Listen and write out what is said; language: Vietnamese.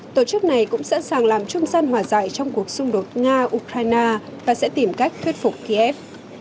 tổ chức này cũng sẵn sàng làm trung gian hòa giải trong cuộc xung đột nga ukraine và sẽ tìm cách thuyết phục kiev